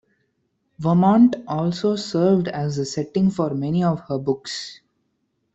Vermont also served as the setting for many of her books.